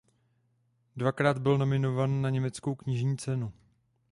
Dvakrát byl nominovaný na Německou knižní cenu.